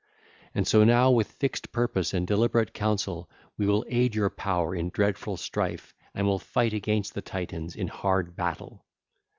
And so now with fixed purpose and deliberate counsel we will aid your power in dreadful strife and will fight against the Titans in hard battle.